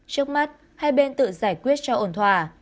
trước mắt hai bên tự giải quyết cho ổn thỏa